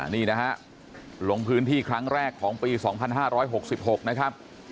นี่นะฮะลงพื้นที่ครั้งแรกของปี๒๕๖๖นะครับ